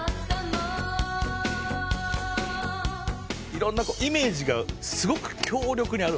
色んなイメージがすごく強力にあるわけですよ。